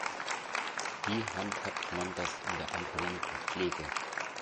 Wie handhabt man das in der ambulanten Pflege?